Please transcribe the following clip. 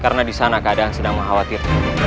karena disana keadaan sedang mengkhawatir